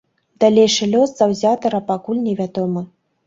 Далейшы лёс заўзятара пакуль невядомы.